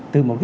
từ mùa dịch